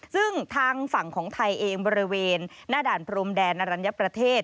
ซึ่งทางฝั่งของไทยเองบริเวณหน้าด่านพรมแดนอรัญญประเทศ